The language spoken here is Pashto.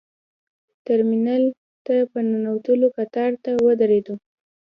ترمینل ته په ننوتلو کتار ته ودرېدو.